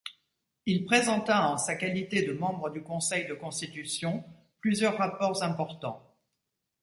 Il présenta, en sa qualité de membre du conseil de constitution, plusieurs rapports importants.